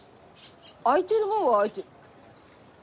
空いてるもんは空いて。